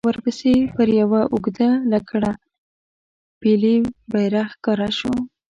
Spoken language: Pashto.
ورپسې پر يوه اوږده لکړه پېيلی بيرغ ښکاره شو.